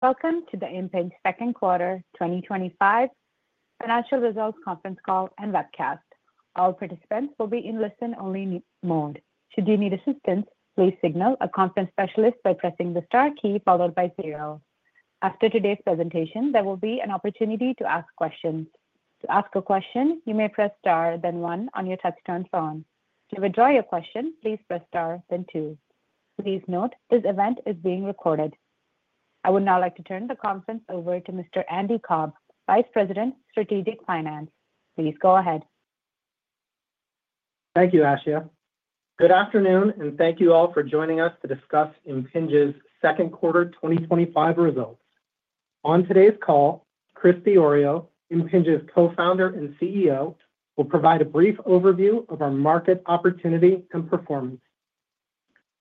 Welcome to the Impinj Second Quarter 2025 Financial Results Conference Call and Webcast. All participants will be in listen-only mode. Should you need assistance, please signal a conference specialist by pressing the star key followed by zero. After today's presentation, there will be an opportunity to ask questions. To ask a question, you may press star then one on your touch tone phone. To withdraw your question, please press star then two. Please note this event is being recorded. I would now like to turn the conference over to Mr. Andy Cobb, Vice President, Strategic Finance. Please go ahead. Thank you, Ashia. Good afternoon, and thank you all for joining us to discuss Impinj's Second Quarter 2025 Results. On today's call, Chris Diorio, Impinj's Co-founder and CEO, will provide a brief overview of our market opportunity and performance.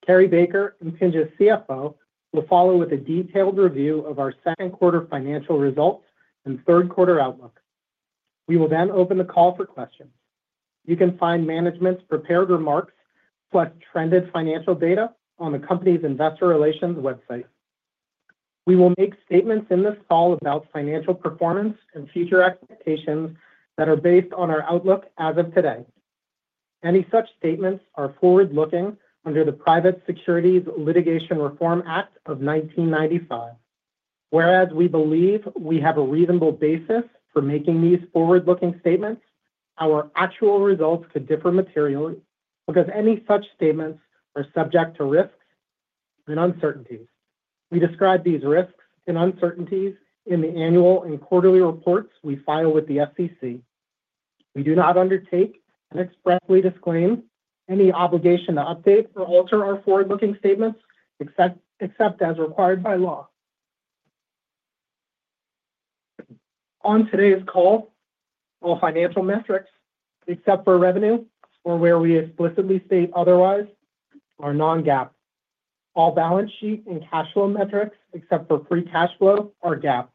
Cary Baker, Impinj CFO, will follow with a detailed review of our second quarter financial results and third quarter outlook. We will then open the call for questions. You can find management's prepared remarks plus trended financial data on the company's investor relations website. We will make statements in this call about financial performance and future expectations that are based on our outlook. As of today, any such statements are forward-looking under the Private Securities Litigation Reform Act of 1995. Whereas we believe we have a reasonable basis for making these forward-looking statements, our actual results could differ materially because any such statements are subject to risks and uncertainties. We describe these risks and uncertainties in the annual and quarterly reports we file with the SEC. We do not undertake and expressly disclaim any obligation to update or alter our forward-looking statements except as required by law. On today's call, all financial metrics except for revenue or where we explicitly state otherwise, are non-GAAP. All balance sheet and cash flow metrics except for free cash flow are GAAP.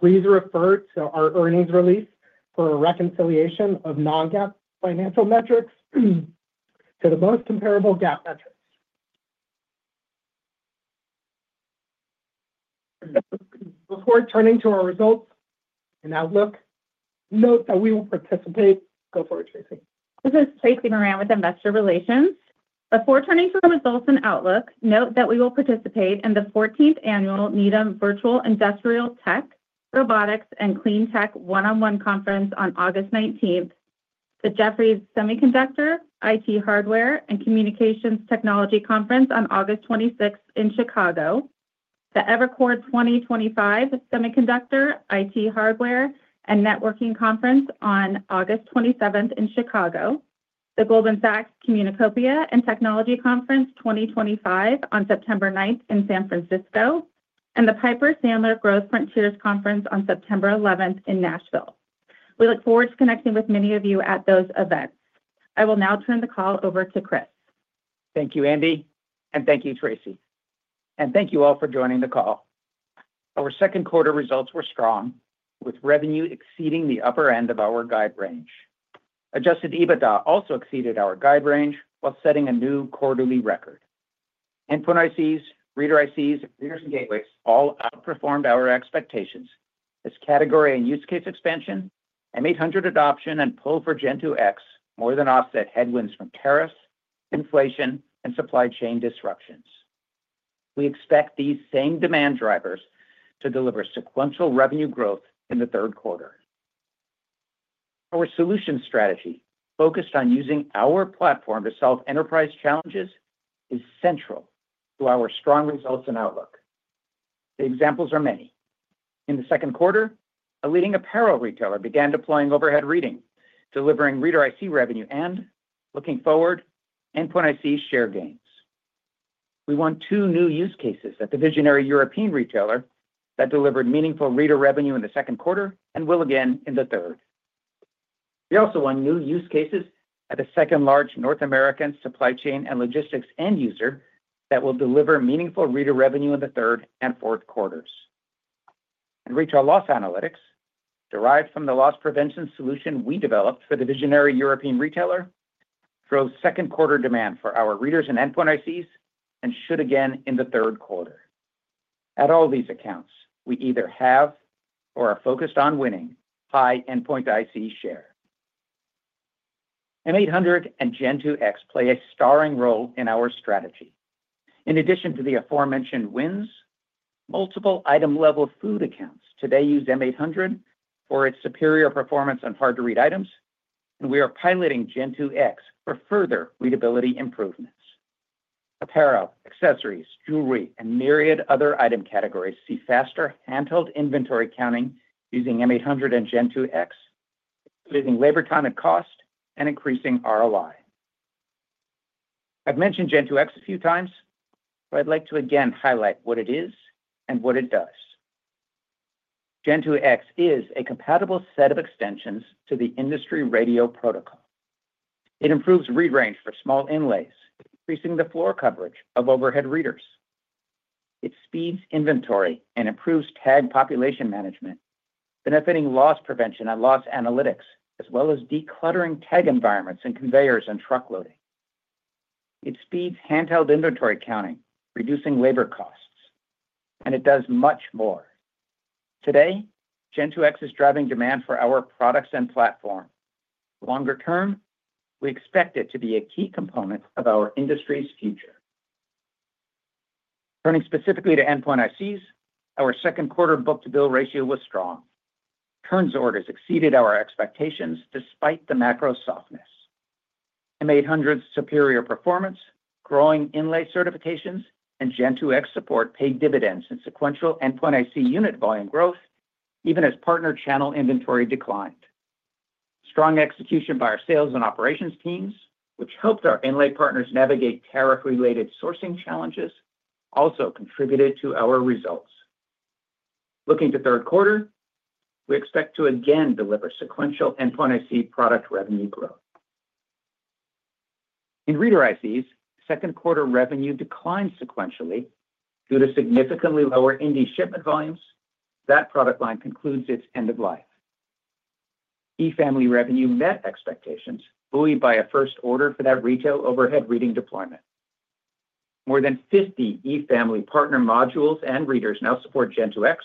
Please refer to our earnings release for a reconciliation of non-GAAP financial metrics to the most comparable GAAP metrics. Before turning to our results and outlook, note that we will participate. Go forward Tracy. This is Tracy Moran with Investor Relations. Before turning to our results and outlook, note that we will participate in the 14th Annual Needham Virtual Industrial Tech, Robotics and Clean Tech One-on-One Conference on August 19th, the Jefferies Semiconductor IT Hardware and Communications Technology Conference on August 26th in Chicago, the Evercore 2025 Semiconductor IT Hardware and Networking Conference on August 27th in Chicago, the Goldman Sachs Communicopia and Technology Conference 2025 on September 9th in San Francisco, and the Piper Sandler Growth Frontiers Conference on September 11th in Nashville. We look forward to connecting with many of you at those events. I will now turn the call over to Chris. Thank you, Andy, and thank you, Tracy, and thank you all for joining the call. Our second quarter results were strong, with revenue exceeding the upper end of our guide range. Adjusted EBITDA also exceeded our guide range while setting a new quarterly record. Endpoint ICs, Reader ICs, readers, and gateways all outperformed our expectations as category and use case expansion, M800 adoption, and pull for Gen2X more than offset headwinds from tariffs, inflation, and supply chain disruptions. We expect these same demand drivers to deliver sequential revenue growth in the third quarter. Our solution strategy, focused on using our platform to solve enterprise challenges, is central to our strong results and outlook. The examples are many. In the second quarter, a leading apparel retailer began deploying overhead reading, delivering Reader IC revenue and, looking forward, Endpoint IC share gains. We won two new use cases at the visionary European retailer that delivered meaningful reader revenue in the second quarter and will again in the third. We also won new use cases at a second large North American supply chain and logistics end user that will deliver meaningful reader revenue in the third and fourth quarters. Retail loss analytics derived from the loss prevention solution we developed for the visionary European retailer drove second quarter demand for our readers and Endpoint ICs and should again in the third quarter. At all these accounts, we either have or are focused on winning high Endpoint IC share. M800 and Gen2X play a starring role in our strategy. In addition to the aforementioned wins, multiple item-level food accounts today use M800 for its superior performance on hard-to-read items, and we are piloting Gen2X for further readability improvements. Apparel, accessories, jewelry, and myriad other item categories see faster handheld inventory counting using M800 and Gen2X, raising labor time and cost and increasing ROI. I've mentioned Gen2X a few times, but I'd like to again highlight what it is and what it does. Gen2X is a compatible set of extensions to the industry radio protocol. It improves read range for small inlays, increasing the floor coverage of overhead readers. It speeds inventory and improves tag population management, benefiting loss prevention and loss analytics, as well as decluttering tag environments and conveyors and truck loading. It speeds handheld inventory counting, reducing labor costs, and it does much more. Today, Gen2X is driving demand for our products and platform. Longer-term, we expect it to be a key component of our industry's future. Turning specifically to endpoint ICs, our second quarter book-to-bill ratio was strong. Turns orders exceeded our expectations despite the macro softness. M800's superior performance, growing inlay certifications, and Gen2X support paid dividends in sequential endpoint IC unit volume growth even as partner channel inventory declined. Strong execution by our sales and operations teams, which helped our inlay partners navigate tariff-related sourcing challenges, also contributed to our results. Looking to third quarter, we expect to again deliver sequential endpoint IC product revenue growth. In Reader ICs, second quarter revenue declined sequentially due to significantly lower Indy shipment volumes. That product line concludes its end-of-life. E family revenue met expectations, buoyed by a first order for that retail overhead reading deployment. More than 50 E Family partner modules and readers now support Gen2X,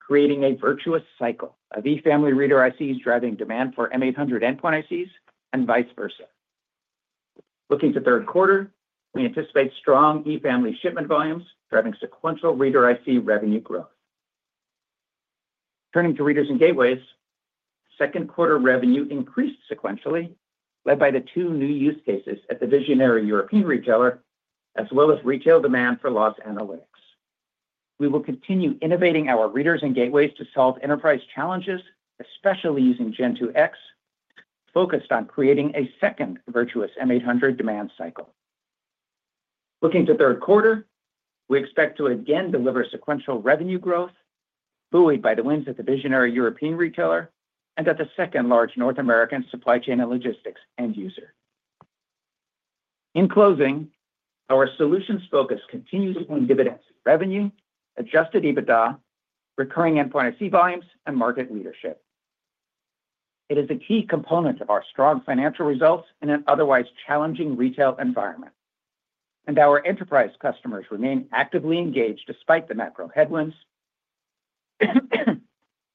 creating a virtuous cycle of E Family Reader ICs driving demand for M800 endpoint ICs and vice versa. Looking to third quarter, we anticipate strong E Family shipment volumes driving sequential Reader IC revenue growth. Turning to readers and gateways, second quarter revenue increased sequentially, led by the two new use cases at the visionary European retailer as well as retail demand for loss analytics. We will continue innovating our readers and gateways to solve enterprise challenges, especially using Gen2X, focused on creating a second virtuous M800 demand cycle. Looking to third quarter, we expect to again deliver sequential revenue growth, buoyed by the wins at the visionary European retailer and at the second large North American supply chain and logistics end user. In closing, our solutions focus continues on dividends, revenue, adjusted EBITDA, recurring endpoint IC volumes, and market leadership. It is a key component of our strong financial results in an otherwise challenging retail environment, and our enterprise customers remain actively engaged despite the macro headwinds,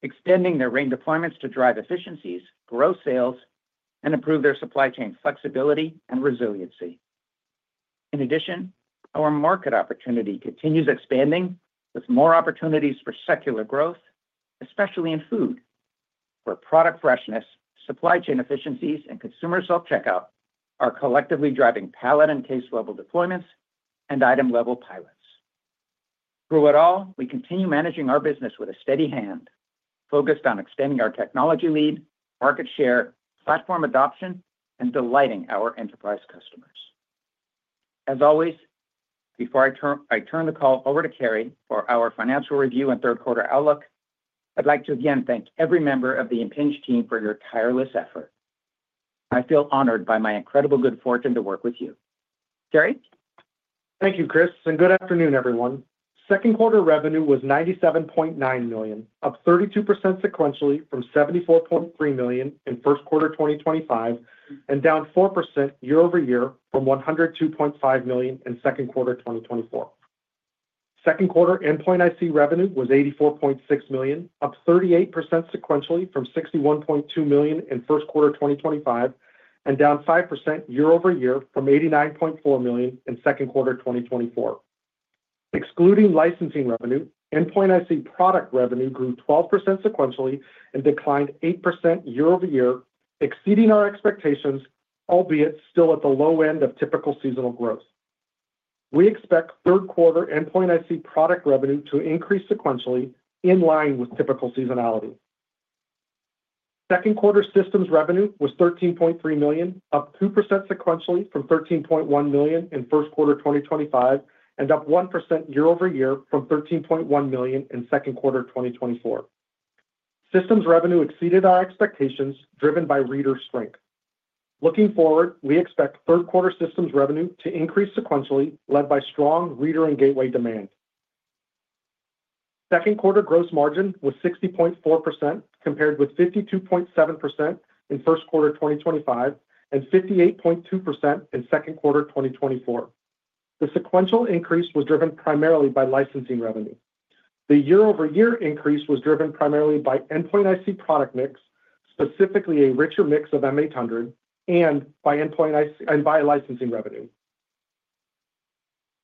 extending their RAIN deployments to drive efficiencies, grow sales, and improve their supply chain flexibility and resiliency. In addition, our market opportunity continues expanding with more opportunities for secular growth, especially in food where product freshness, supply chain efficiencies, and consumer self checkout are collectively driving pallet and case level deployments and item level pilots. Through it all, we continue managing our business with a steady hand focused on extending our technology lead, market share, platform adoption, and delighting our enterprise customers. As always, before I turn the call over to Cary for our financial review and third quarter outlook, I'd like to again thank every member of the Impinj team for your tireless effort. I feel honored by my incredible good fortune to work with you, Cary. Thank you, Chris, and good afternoon, everyone. Second quarter revenue was $97.9 million, up 32% sequentially from $74.3 million in first quarter 2025 and down 4% year-over-year from $102.5 million in second quarter 2024. Second quarter endpoint IC revenue was $84.6 million, up 38% sequentially from $61.2 million in first quarter 2025 and down 5% year-over-year from $89.4 million in second quarter 2024. Excluding licensing revenue, endpoint IC product revenue grew 12% sequentially and declined 8% year-over-year, exceeding our expectations, albeit still at the low end of typical seasonal growth. We expect third quarter endpoint IC product revenue to increase sequentially in line with typical seasonality. Second quarter systems revenue was $13.3 million, up 2% sequentially from $13.1 million in first quarter 2025 and up 1% year-over-year from $13.1 million in second quarter 2024. Systems revenue exceeded our expectations, driven by reader strength. Looking forward, we expect third quarter systems revenue to increase sequentially, led by strong reader and gateway demand. Second quarter gross margin was 60.4% compared with 52.7% in first quarter 2025 and 58.2% in second quarter 2024. The sequential increase was driven primarily by licensing revenue. The year-over-year increase was driven primarily by endpoint IC product mix, specifically a richer mix of M800 and by licensing revenue.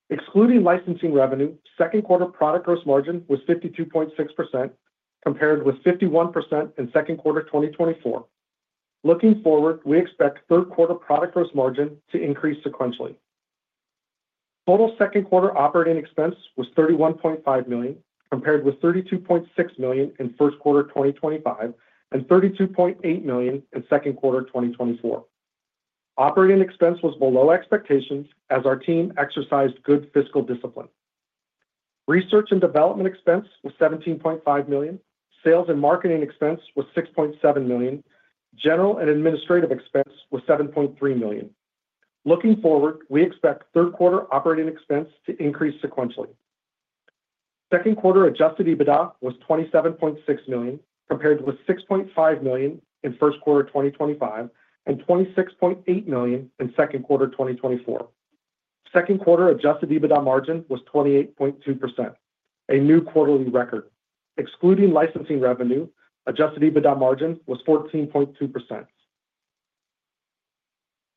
Excluding licensing revenue. Second quarter product gross margin was 52.6% compared with 51% in second quarter 2024. Looking forward, we expect third quarter product gross margin to increase sequentially. Total second quarter operating expense was $31.5 million compared with $32.6 million in first quarter 2025 and $32.8 million in second quarter 2024. Operating expense was below expectations as our team exercised good fiscal discipline. Research and Development expense was $17.5 million. Sales and marketing expense was $6.7 million. General and administrative expense was $7.3 million. Looking forward, we expect third quarter operating expense to increase sequentially. Second quarter adjusted EBITDA was $27.6 million compared with $6.5 million in first quarter 2025 and $26.8 million in second quarter 2024. Second quarter adjusted EBITDA margin was 28.2%, a new quarterly record. Excluding licensing revenue, adjusted EBITDA margin was 14.2%.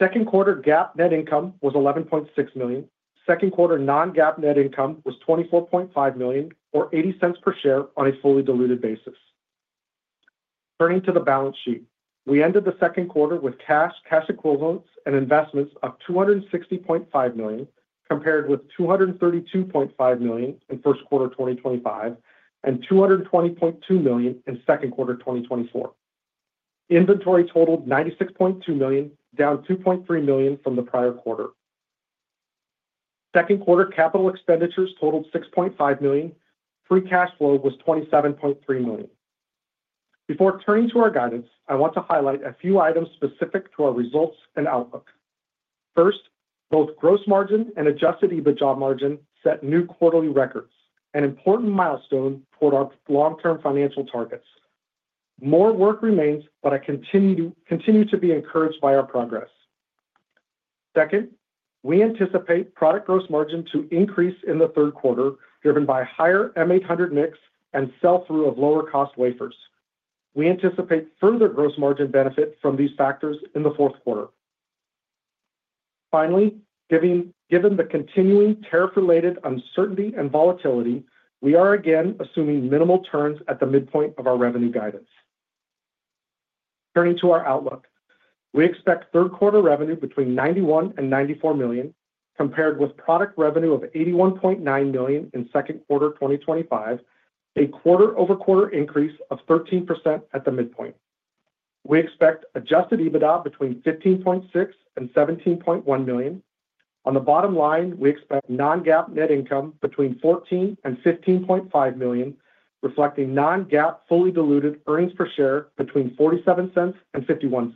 Second quarter GAAP net income was $11.6 million. Second quarter non-GAAP net income was $24.5 million or $0.80 per share on a fully diluted basis. Turning to the balance sheet, we ended the second quarter with cash, cash equivalents and investments of $260.5 million compared with $232.5 million in first quarter 2025 and $220.2 million in second quarter 2024. Inventory totaled $96.2 million, down $2.3 million from the prior quarter. Second quarter capital expenditures totaled $6.5 million. Free cash flow was $27.3 million. Before turning to our guidance, I want to highlight a few items specific to our results and outlook. First, both gross margin and adjusted EBITDA margin set new quarterly records, an important milestone towards our long-term financial targets. More work remains, but I continue to be encouraged by our progress. Second, we anticipate product gross margin to increase in the third quarter driven by higher M800 mix and sell through of lower cost wafers. We anticipate further gross margin benefit from these factors in the fourth quarter. Finally, given the continuing tariff-related uncertainty and volatility, we are again assuming minimal turns at the midpoint of our revenue guidance. Turning to our outlook, we expect third quarter revenue between $91 million and $94 million compared with product revenue of $81.9 million in second quarter 2025, a quarter-over-quarter increase of 13%. At the midpoint, we expect adjusted EBITDA between $15.6 million and $17.1 million. On the bottom line, we expect non-GAAP net income between $14 million and $15.5 million reflecting non-GAAP fully diluted earnings per share between $0.47 and $0.51.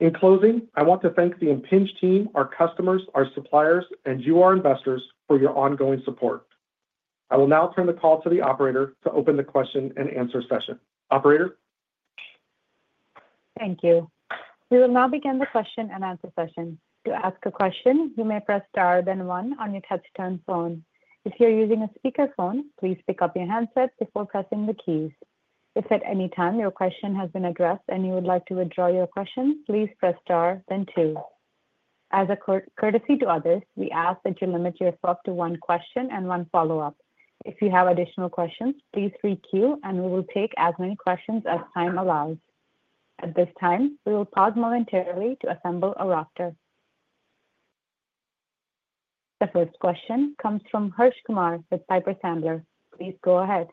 In closing, I want to thank the Impinj team, our customers, our suppliers and you, our investors, for your ongoing support. I will now turn the call to the operator to open the question and answer session. Operator? Thank you. We will now begin the question and answer session. To ask a question, you may press star then one on your touchtone phone. If you're using a speakerphone, please pick up your handset before pressing the keys. If at any time your question has been addressed and you would like to withdraw your question, please press star then two. As a courtesy to others, we ask that you limit yourself to one question and one follow-up. If you have additional questions, please re-queue and we will take as many questions as time allows. At this time, we will pause momentarily to assemble a roster. The first question comes from Harsh Kumar with Piper Sandler. Please go ahead.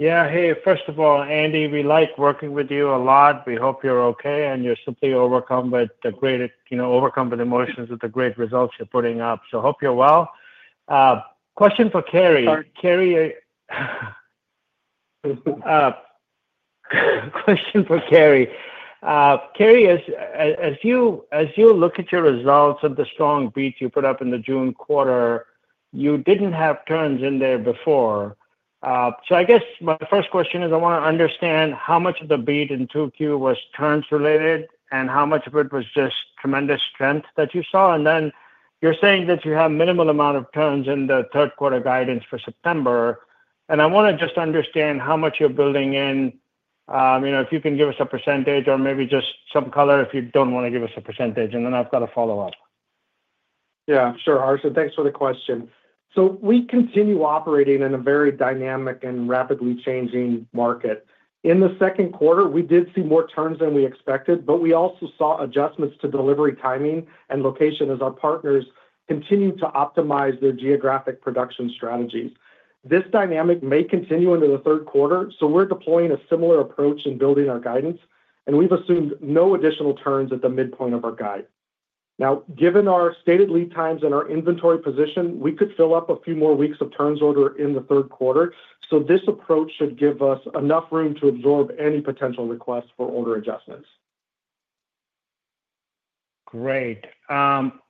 Yeah. Hey, first of all Andy, we like working with you a lot. We hope you're okay and you're simply overcome, but you know, overcome with emotions with the great results you're putting up. Hope you're well. Question for Cary. Cary. Question for Cary. Cary. As you look at your results of the strong beats you put up in the June quarter, you did not have turns in there before. I guess my first question is I want to understand how much of the beat in 2Q was turns related and how much of it was just tremendous strength that you saw. You are saying that you have minimal amount of turns in the third quarter guidance for September. I want to just understand how much you are building in, if you can give us a percentage or maybe just some color if you do not want to give us a % I've got a follow up. Yeah, sure. Harsh, thanks for the question. We continue operating in a very dynamic and rapidly changing market. In the second quarter, we did see more turns than we expected, but we also saw adjustments to delivery timing and location as our partners continue to optimize their geographic production strategies. This dynamic may continue into the third quarter. We are deploying a similar approach in building our guidance, and we've assumed no additional turns at the midpoint of our guide. Given our stated lead times and our inventory position, we could fill up a few more weeks of turns order in the third quarter. This approach should give us enough room to absorb any potential requests for order adjustments. Great. You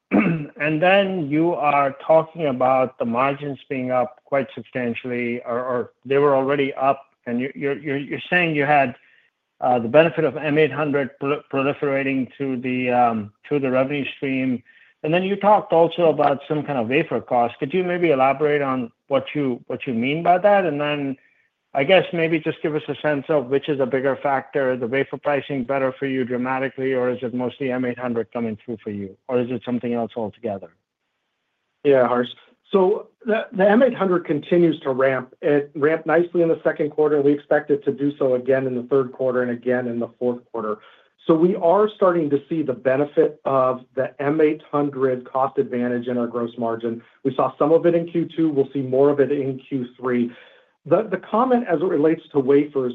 are talking about the margins being up quite substantially, or they were already up, and you're saying you had the benefit of M800 series proliferating through the revenue stream. You talked also about some kind of wafer cost. Could you maybe elaborate on what you mean by that? I guess maybe just give us a sense of which is a bigger factor, the wafer pricing better for you dramatically, or is it mostly M800 coming through for you, or is it something else altogether? Yeah, Harsh. The M800 continues to ramp. It ramped nicely in the second quarter. We expect it to do so again in the third quarter and again in the fourth quarter. We are starting to see the benefit of the M800 cost advantage in our gross margin. We saw some of it in Q2. We'll see more of it in Q3. The comment as it relates to wafers.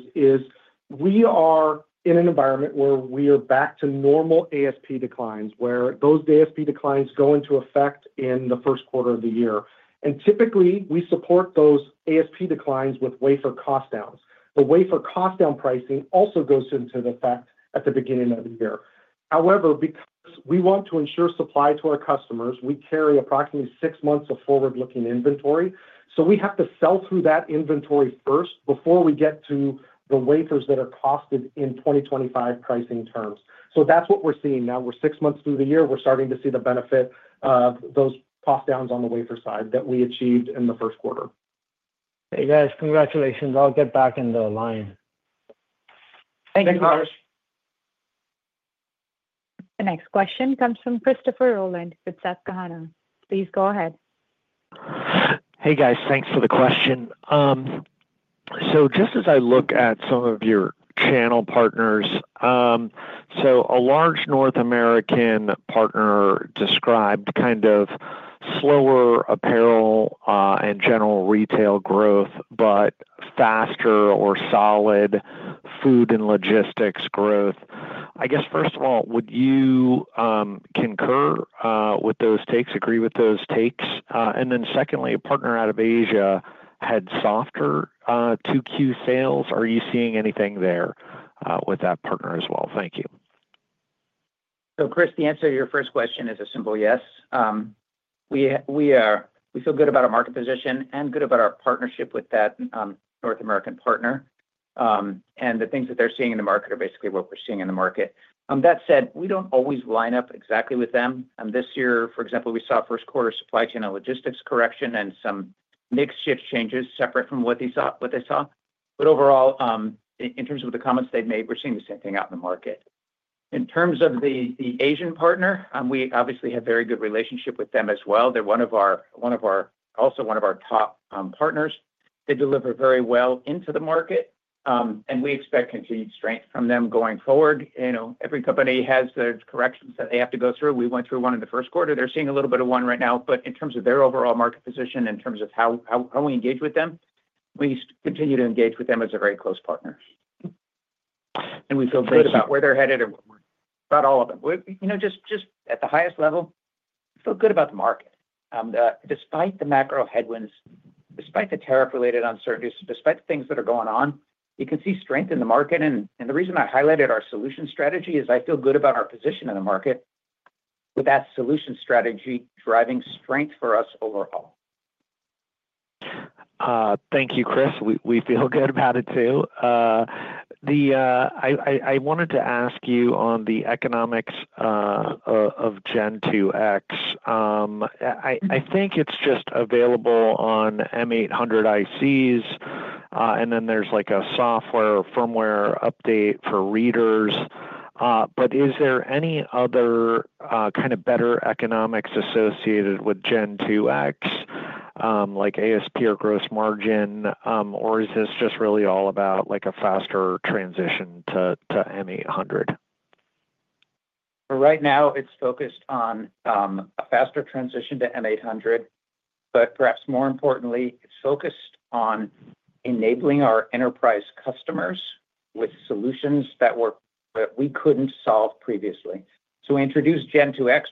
We are in an environment where we are back to normal ASP declines, where those ASP declines go into effect in the first quarter of the year. Typically, we support those ASP declines with wafer cost downs. The wafer cost down pricing also goes into effect at the beginning of the year. However, because we want to ensure supply to our customers, we carry approximately six months of forward-looking inventory. We have to sell through that inventory first before we get to the wafers that are costed in 2025 pricing terms. That is what we're seeing now. We're six months through the year, and we're starting to see the benefit of those cost downs on the wafer side that we achieved in the first quarter. Hey guys, congratulations. I'll get back in the line. Thank you Harsh. The next question comes from Christopher Rolland with Susquehanna. Please go ahead. Hey guys, thanks for the question. As I look at some of your channel partners, a large North American partner described kind of slower apparel and general retail growth, but faster or solid food and logistics growth. I guess first of all, would you concur with those takes? Agree with those takes. Secondly, a partner out of Asia had softer 2Q sales. Are you seeing anything there with that partner as well? Thank you. Chris, the answer to your first question is a simple yes, we feel good about our market position and good about our partnership with that North American partner. The things that they're seeing in the market are basically what we're seeing in the market. That said, we don't always line up exactly with them and this year, for example, we saw first quarter supply chain and logistics correction and some makeshift changes separate from what they saw. Overall, in terms of the comments they've made, we're seeing the same thing out in the market. In terms of the Asian partner, we obviously have a very good relationship with them as well. They're also one of our top partners. They deliver very well into the market and we expect continued strength from them going forward. Every company has their corrections that they have to go through. We went through one in the first quarter. They're seeing a little bit of one right now. In terms of their overall market position, in terms of how we engage with them, we continue to engage with them as a very close partner and we feel great about where they're headed, about all of them. Just at the highest level, we feel good about the market. Despite the macro headwinds, despite the tariff-related uncertainties, despite things that are going on, you can see strength in the market. The reason I highlighted our solution strategy is I feel good about our position in the market with that solution strategy driving strength for us overall. Thank you, Chris. We feel good about it too. I wanted to ask you on the economics of Gen2X. I think it's just available on M800 ICs, and then there's like a software firmware update for readers. Is there any other kind of better economics associated with Gen2X, like ASP or gross margin, or is this just really all about a faster transition to M800? Right now it's focused on a faster transition to M800, but perhaps more importantly, it's focused on enabling our enterprise customers with solutions that we couldn't solve previously. We introduced Gen2X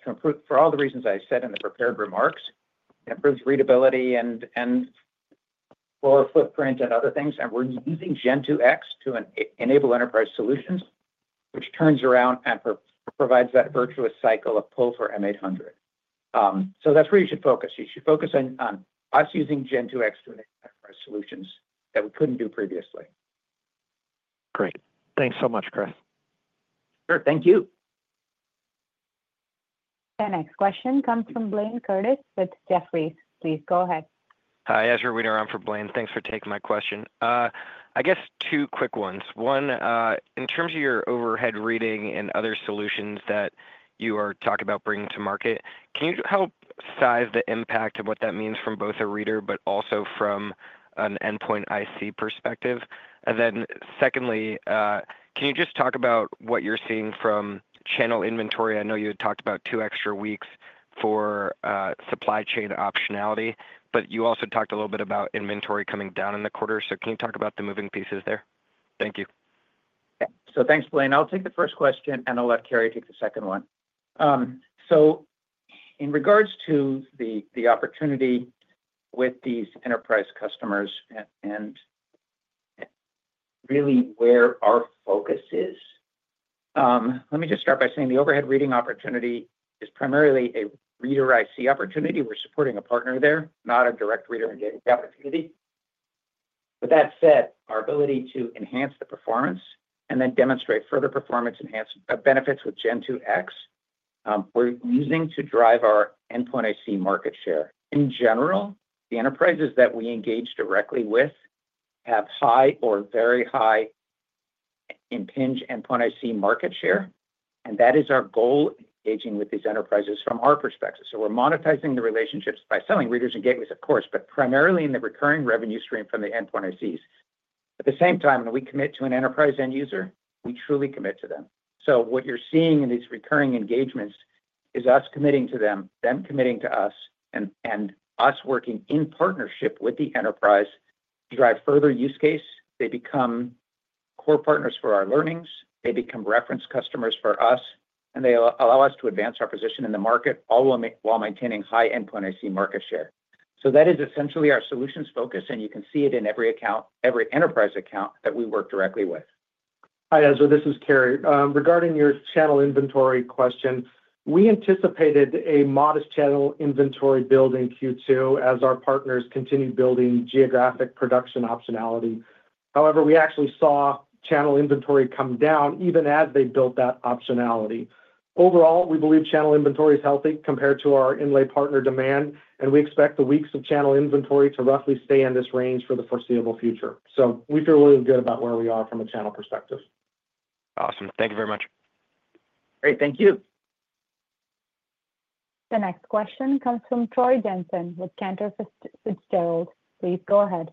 for all the reasons I said in the prepared remarks, improves readability and lower footprint and other things. We're using Gen2X to enable enterprise solutions, which turns around and provides that virtuous cycle of pull for M800. That's where you should focus. You should focus on us using Gen2X to enable enterprise solutions that we couldn't do previously. Great. Thanks so much, Chris. Sure. Thank you. The next question comes from Blayne Curtis with Jefferies. Please go ahead. Hi, Ezra Weener, on for Blayne. Thanks for taking my question. I guess two quick ones. One, in terms of your overhead reading and other solutions that you are talking about bringing to market, can you help size the impact of what that means from both a reader but also from an Endpoint IC perspective? Secondly, can you just talk about what you're seeing from channel inventory? I know you had talked about two extra weeks for supply chain optionality, but you also talked a little bit about inventory coming down in the quarter. Can you talk about the moving pieces there? Thank you. Thanks, Weener. I'll take the first question and I'll let Cary take the second one. In regards to the opportunity with these enterprise customers and really where our focus is, let me just start by saying the overhead reading opportunity is primarily a Reader IC opportunity. We're supporting a partner there, not a direct reader engagement opportunity. That said, our ability to enhance the performance and then demonstrate further performance enhance benefits with Gen2X we're using to drive our Endpoint IC market share. In general, the enterprises that we engage directly with have high or very high Impinj Endpoint IC market share and that is our goal, engaging with these enterprises from our perspective. We're monetizing the relationships by selling readers and gateways, of course, but primarily in the recurring revenue stream from the Endpoint ICs. At the same time, when we commit to an enterprise end user, we truly commit to them. What you're seeing in these recurring engagements is us committing to them, them committing to us, and us working in partnership with the enterprise to drive further use case. They become core partners for our learnings, they become reference customers for us, and they allow us to advance our position in the market, all while maintaining high Endpoint IC market share. That is essentially our solutions focus and you can see it in every account, every enterprise account that we work directly with. Hi Ezra, this is Cary. Regarding your channel inventory question, we anticipated a modest channel inventory build in Q2 as our partners continue building geographic production optionality. However, we actually saw channel inventory come down even as they built that optionality. Overall, we believe channel inventory is healthy compared to our inlay partner demand. We expect the weeks of channel inventory to roughly stay in this range for the foreseeable future. So we feel really good about where w.e are from a channel perspective. Awesome. Thank you very much. Great. Thank you. The next question comes from Troy Jensen with Cantor Fitzgerald. Please go ahead.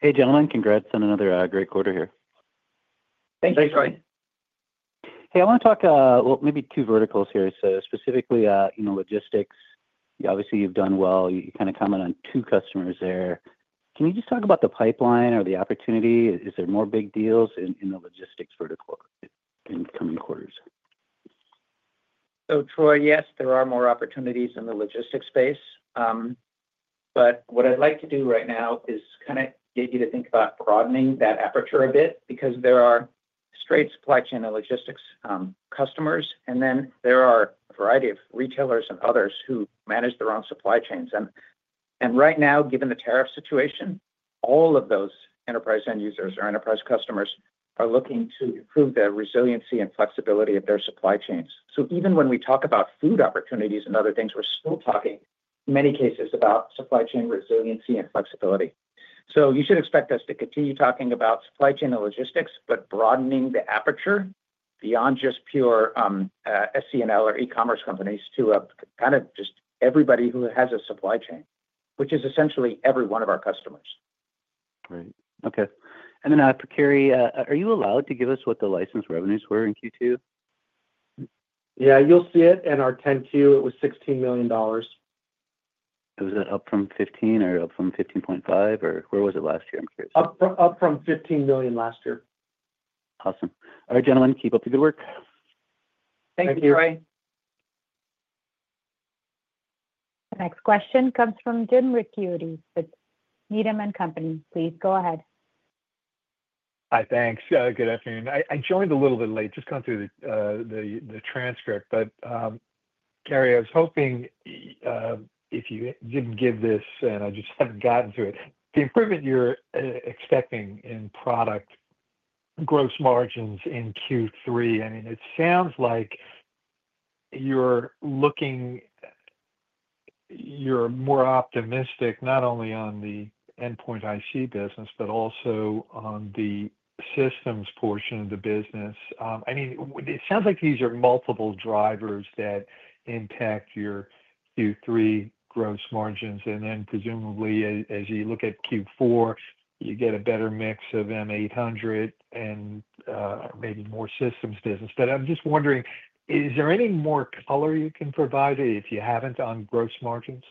Hey gentlemen, congrats on another great quarter here. Thank you. Troy. Hey, I want to talk, maybe two verticals here. Specifically logistics. Obviously you've done well. You kind of comment on two customers. Can you just talk about the pipeline or the opportunity? Is there more big deals in the logistics vertical in coming quarters? Troy, yes, there are more opportunities in the logistics space, but what I'd like to do right now is get you to think about broadening that aperture a bit, because there are straight supply chain and logistics customers and then there are a variety of retailers and others who manage their own supply chains. Right now, given the tariff situation, all of those enterprise end users or enterprise customers are looking to improve the resiliency and flexibility of their supply chains. Even when we talk about food opportunities and other things, we're still talking in many cases about supply chain resiliency and flexibility. You should expect us to continue talking about supply chain and logistics, but broadening the aperture beyond just pure SCNL or e-commerce companies to just everybody who has a supply chain, which is essentially every one of our customers. Right, okay. And then, Cary, are you allowed to give us what the license revenues were in Q2? Yeah, you'll see it in our 10-Q. It was $16 million. Was it up from $15 million or up from $15.5 million or where was it last year? I'm curious. Up from $15 million last year. Awesome. All right, gentlemen, keep up the good work. Thank you Troy. Next question comes from James Ricchiuti, with Needham & Company. Please go ahead. Hi. Thanks. Good afternoon. I joined a little bit late just.one through the transcript. Cary, I was hoping if you didn't give this and I just haven't gotten to it. The improvement you're expecting in product gross margins in Q3, I mean it sounds like you're looking, you're more optimistic not only on the Endpoint IC business, but also on the systems portion of the business. It sounds like these are multiple drivers that impact your Q3 gross margins. Presumably as you look at Q4, you get a better mix of M800 and maybe more systems business. I'm just wondering, is there any more color you can provide if you haven't on gross margins?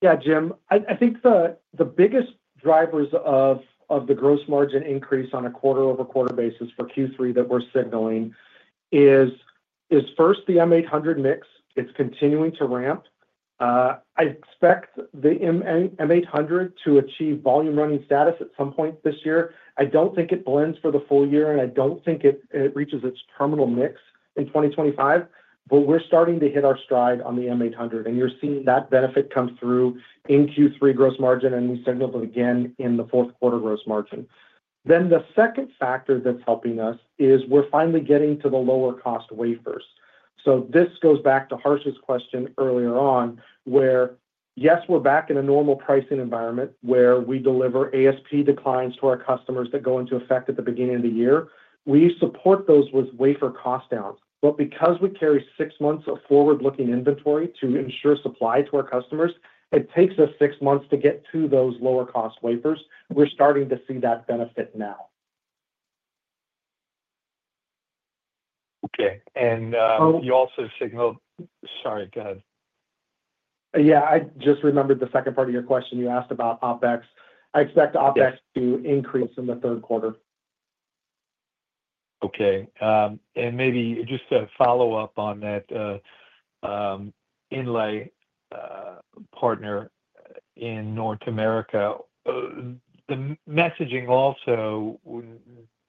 Yeah, Jim, I think the biggest drivers of the gross margin increase on a quarter-over-quarter basis for Q3 that we're signaling is first the M800 mix. It's continuing to ramp. I expect the M800 to achieve volume running status at some point this year. I don't think it blends for the full year, and I don't think it reaches its terminal mix in 2025. We're starting to hit our stride on the M800, and you're seeing that benefit come through in Q3 gross margin. We signaled it again in the fourth quarter gross margin. The second factor that's helping us is we're finally getting to the lower cost wafers. This goes back to Harsh's question earlier on where yes, we're back in a normal pricing environment where we deliver ASP declines to our customers that go into effect at the beginning of the year. We support those with wafer cost downs. Because we carry six months of forward-looking inventory to ensure supply to our customers, it takes us six months to get to those lower cost wafers. We're starting to see that benefit now. Okay. You also signaled. Sorry, go ahead. Yeah, I just remembered the second part of your question. You asked about OpEx. I expect OpEx to increase in the third quarter. Okay. Maybe just a follow up on that inlay partner in North America, the messaging also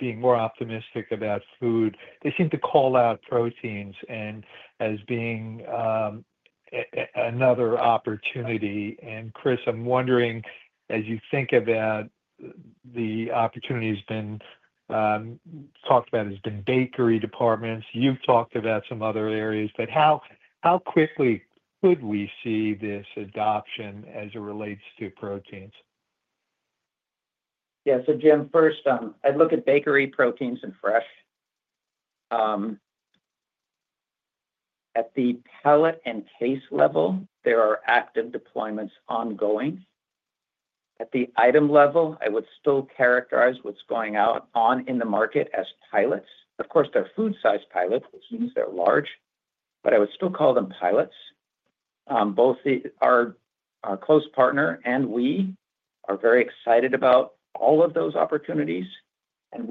being more optimistic about food. They seem to call out proteins as being another opportunity. Chris, I'm wondering as you think about the opportunity, it has been talked about as being bakery departments. You've talked about some other areas, but how quickly could we see this adoption as it relates to proteins? Yeah. Jim, first I look at bakery proteins and fresh at the pallet and case level. There are active deployments ongoing. At the item level, I would still characterize what's going on in the market as pilots. Of course, they're food-sized pilots, which means they're large, but I would still call them pilots. Both our close partner and we are very excited about all of those opportunities, and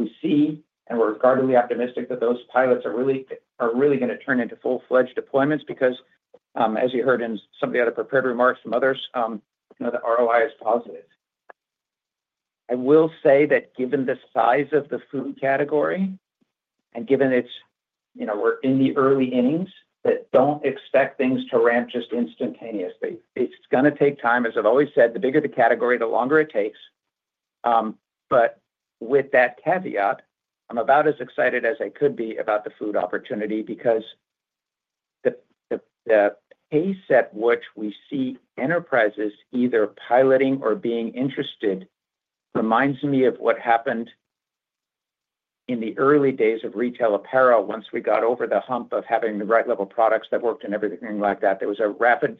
we're guardedly optimistic that those pilots are really going to turn into full-fledged deployments. As you heard in some of the other prepared remarks from others, the ROI is positive. I will say that given the size of the food category and given itself, you know, we're in the early innings, don't expect things to ramp just instantaneously. It's going to take time. As I've always said, the bigger the category, the longer it takes. With that caveat, I'm about as excited as I could be about the food opportunity because the pace at which we see enterprises either piloting or being interested reminds me of what happened in the early days of retail apparel. Once we got over the hump of having the right level products that worked and everything like that, there was a rapid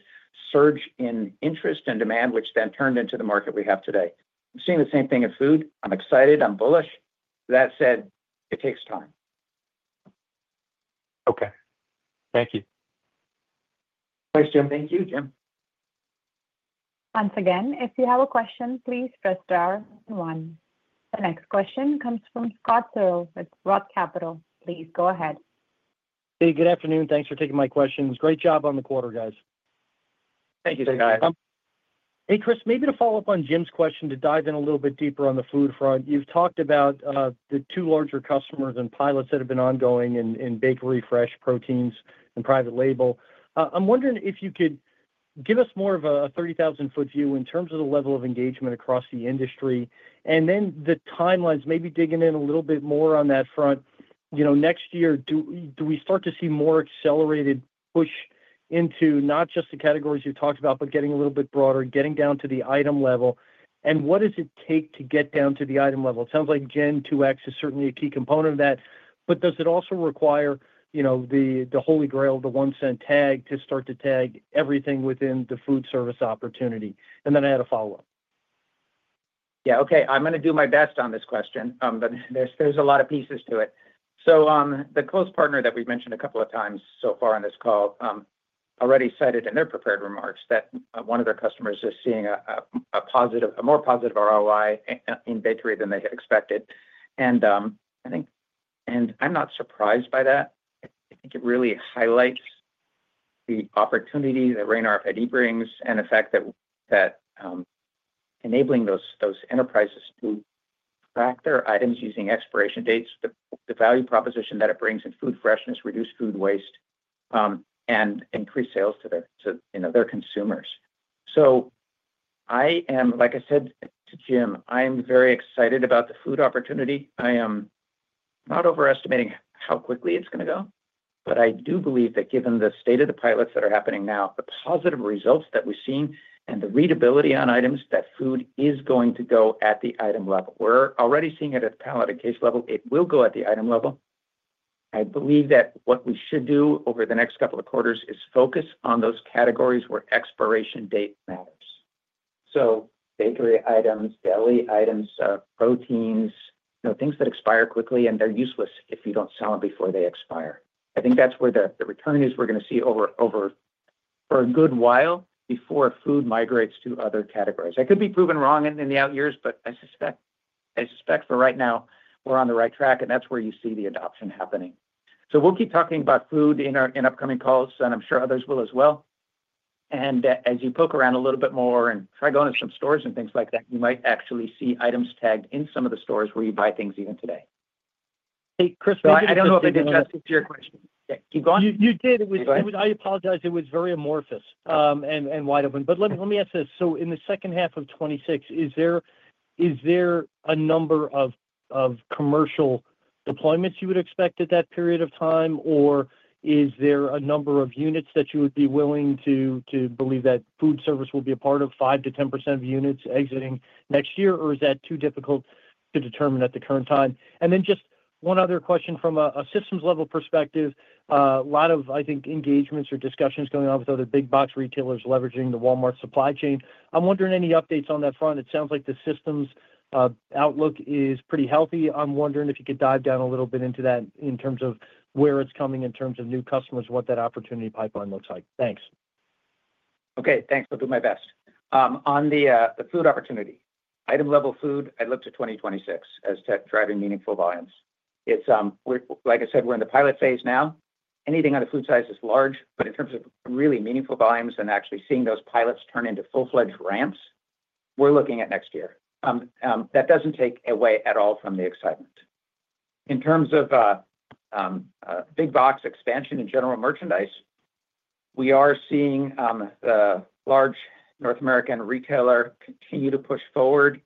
surge in interest and demand, which then turned into the market we have today. I'm seeing the same thing in food. I'm excited, I'm bullish. That said, it takes time. Okay, thank you. Thanks, Jim. Thank you, Jim. Once again, if you have a question, please press star one. The next question comes from Scott Searle with Roth Capital. Please go ahead. Hey, good afternoon. Thanks for taking my questions. Great job on the quarter, guys. Thank you, [Searle]. Hey, Chris, maybe to follow up on Jim's question, to dive in a little bit deeper on the food front, you've talked about the two larger customers and pilots that have been ongoing in bakery, fresh proteins, and private label. I'm wondering if you could give us more of a 30,000 ft view in terms of the level of engagement across the industry, and then the timelines, maybe digging in a little bit more on that front next year. Do we start to see more accelerated push into not just the categories you talked about, but getting a little bit broader, getting down to the item level? What does it take to get down to the item level? It sounds like Gen2X is certainly a key component of that, but does it also require the holy grail, the $0.01 tag, to start to tag everything within the food service opportunity? I had a follow up. Okay. I'm going to do my best on this question, but there's a lot of pieces to it. The close partner that we've mentioned a couple of times so far on this call already cited in their prepared remarks that one of their customers is seeing a more positive ROI in bakery than they had expected. I'm not surprised by that. I think it really highlights the opportunity that RAIN RFID brings and the fact that enabling those enterprises to track their items using expiration dates. The value proposition that it brings in food freshness, reduced food waste, and increased sales to their consumers. Like I said to Jim, I'm very excited about the food opportunity. I'm not overestimating how quickly it's going to go, but I do believe that given the state of the pilots that are happening now, the positive results that we've seen, and the readability on items, food is going to go at the item level. We're already seeing it at pallet case level. It will go at the item level. I believe that what we should do over the next couple of quarters is focus on those categories where expiration date matters. Bakery items, deli items, proteins, things that expire quickly and they're useless if you don't sell them before they expire. I think that's where the return is. We're going to see that for a good while before food migrates to other categories. I could be proven wrong in the out years, but I suspect for right now we're on the right track and that's where you see the adoption happening. We'll keep talking about food in our upcoming calls and I'm sure others will as well. As you poke around a little bit more and try going to some stores and things like that, you might actually see items tagged in some of the stores where you buy things, even today. I don't know if I did justice to your question. Keep going. You did. I apologize. It was very amorphous and wide open. Let me ask this. In the second half of 2026, is there a number of commercial deployments you would expect at that period of time, or is there a number of units that you would be willing to believe that food service will be a part of 5%-10% of units exiting next year, or is that too difficult to determine at the current time? One other question. From a systems level perspective, a lot of, I think, engagements or discussions are going on with other big box retailers leveraging the Walmart supply chain. I'm wondering, any updates on that front? It sounds like the systems outlook is pretty healthy. I'm wondering if you could dive down a little bit into that in terms of where it's coming in terms of new customers, what that opportunity pipeline looks like. Thanks. Okay, thanks. I'll do my best. On the food opportunity item level, food, I'd look to 2026 as driving meaningful volumes. Like I said, we're in the pilot phase now. Anything on the food size is large, but in terms of really meaningful volumes and actually seeing those pilots turn into full-fledged ramps, we're looking at next year. That doesn't take away at all from the excitement. In terms of big box expansion and general merchandise, we are seeing a large North American retailer continue to push forward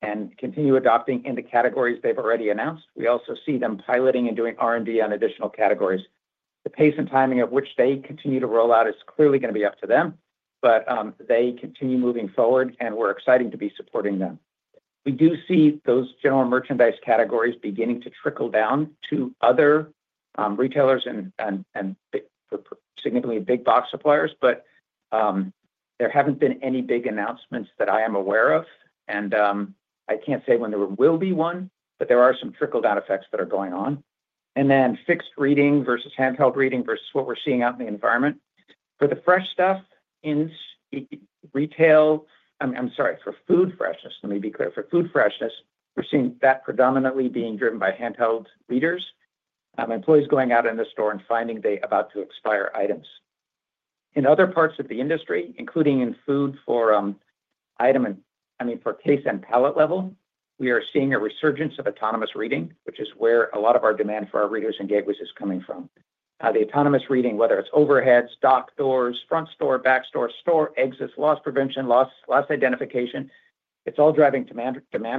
and continue adopting in the categories they've already announced. We also see them piloting and doing R&D on additional categories. The pace and timing of which they continue to roll out is clearly going to be up to them. They continue moving forward and we're excited to be supporting them. We do see those general merchandise categories beginning to trickle down to other retailers and for significantly big box suppliers. There haven't been any big announcements that I am aware of and I can't say when there will be one. There are some trickle down effects that are going on. Fixed reading versus handheld reading versus what we're seeing out in the environment. For the fresh stuff in retail, I'm sorry, for food freshness, let me be clear. For food freshness, we're seeing that predominantly being driven by handheld readers, employees going out in the store and finding the about to expire items. In other parts of the industry, including in food for item, I mean, for case and pallet level, we are seeing a resurgence of autonomous reading, which is where a lot of our demand for our readers and gateways is coming from. The autonomous reading, whether it's overheads, dock doors, front store, back store, store exits, loss prevention, loss identification, it's all driving demand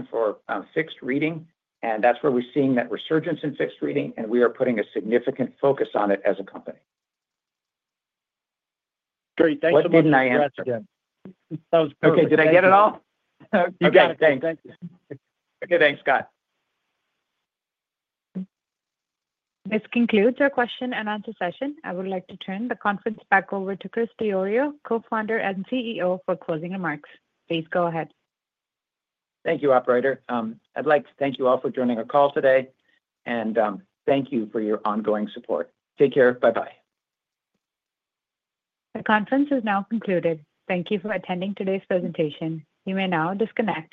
for fixed reading. That's where we're seeing that resurgence in fixed reading. We are putting a significant focus on it as a company. Great. Thanks again. Okay. Did I get it all? You got it. Thanks. Okay, thanks, Scott. This concludes our question and answer session. I would like to turn the conference back over to Chris Diorio, Co-founder and CEO, for closing remarks. Please go ahead. Thank you, operator. I'd like to thank you all for joining our call today, and thank you for your ongoing support. Take care. Bye bye. The conference is now concluded. Thank you for attending today's presentation. You may now disconnect.